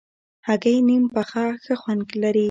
هګۍ نیم پخه ښه خوند لري.